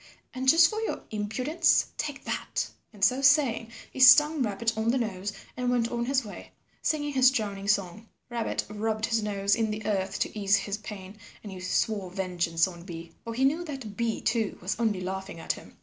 And just for your impudence, take that." And so saying he stung Rabbit on the nose and went on his way, singing his droning song. Rabbit rubbed his nose in the earth to ease his pain and he swore vengeance on Bee, for he knew that Bee too was only laughing at him.